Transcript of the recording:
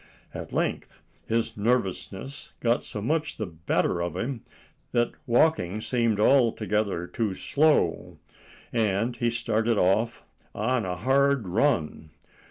At length his nervousness got so much the better of him that walking seemed altogether too slow, and he started off on the hard run.